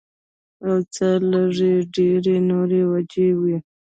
او څۀ لږې ډېرې نورې وجې وي